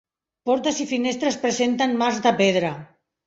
Portes i finestres presenten marcs de pedra.